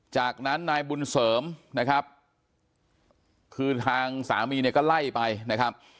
จากนั้นนายบุญเสริมนะครับคือทางสามีเนี่ยก็ไล่ไปนะครับ